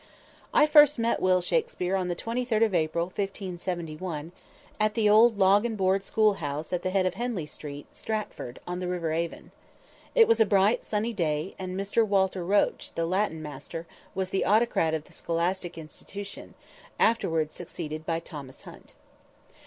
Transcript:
I first met Will Shakspere on the 23d of April, 1571, at the old log and board schoolhouse at the head of Henley street, Stratford, on the river Avon. It was a bright, sunny day, and Mr. Walter Roche, the Latin master, was the autocrat of the scholastic institution, afterwards succeeded by Thomas Hunt.